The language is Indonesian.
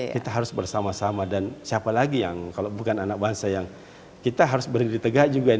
kita harus bersama sama dan siapa lagi yang kalau bukan anak bangsa yang kita harus berdiri tegak juga